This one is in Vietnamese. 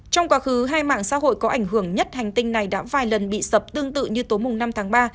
trong quá khứ hai mạng xã hội có ảnh hưởng nhất hành tinh này đã vài lần bị sập tương tự như tối năm tháng ba